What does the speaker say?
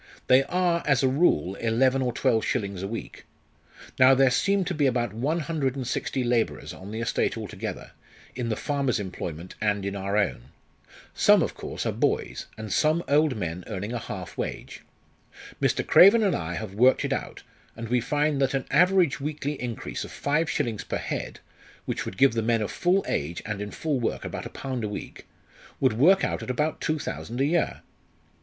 They are, as a rule, eleven or twelve shillings a week. Now there seem to be about one hundred and sixty labourers on the estate altogether, in the farmers' employment and in our own. Some, of course, are boys, and some old men earning a half wage. Mr. Craven and I have worked it out, and we find that an average weekly increase of five shillings per head which would give the men of full age and in full work about a pound a week would work out at about two thousand a year."